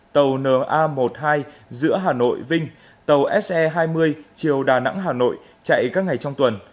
tàu na một mươi hai giữa hà nội vinh tàu se hai mươi chiều đà nẵng hà nội chạy các ngày trong tuần